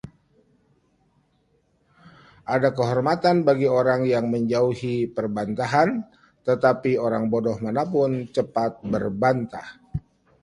Ada kehormatan bagi orang yang menjauhi perbantahan, tetapi orang bodoh mana pun cepat berbantah.